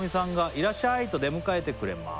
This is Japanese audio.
「いらっしゃい！と出迎えてくれます」